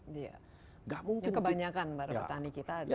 ya kebanyakan barang petani kita ada